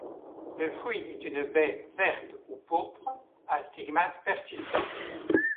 Le fruit est une baie verte ou pourpre à stigmates persistants.